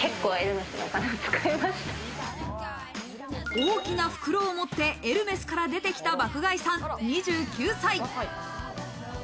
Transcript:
大きな袋を持ってエルメスから出てきた爆買いさん２９歳。